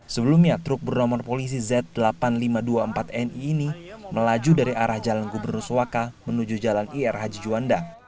sebelumnya truk bernomor polisi z delapan ribu lima ratus dua puluh empat ni ini melaju dari arah jalan gubernur suaka menuju jalan ir haji juanda